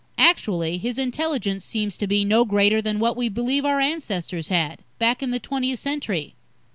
"Actually, his intelligence seems to be no greater than that which we believe our ancestors had, back in the twentieth century."